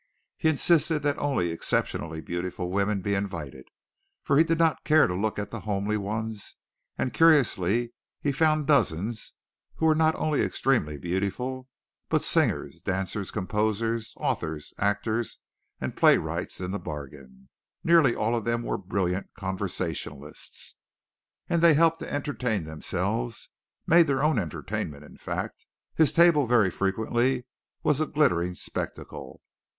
He insisted that only exceptionally beautiful women be invited, for he did not care to look at the homely ones, and curiously he found dozens, who were not only extremely beautiful, but singers, dancers, composers, authors, actors and playwrights in the bargain. Nearly all of them were brilliant conversationalists and they helped to entertain themselves made their own entertainment, in fact. His table very frequently was a glittering spectacle.